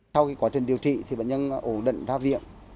sau quá trình điều trị thì bệnh nhân ổn định ra viện